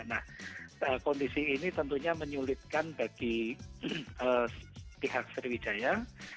nah kondisi ini tentunya menyulitkan bagi pihak sriwijaya